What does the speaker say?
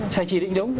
phải chỉ định đúng